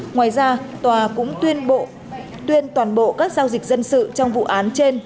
ngoài ra tòa cũng tuyên toàn bộ các giao dịch dân sự trong vụ án trên